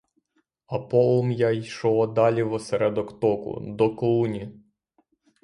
А полум'я йшло далі в осередок току, до клуні.